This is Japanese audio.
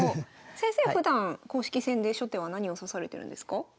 先生はふだん公式戦で初手は何を指されてるんですか？